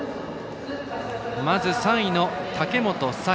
まず３位の武本紗栄。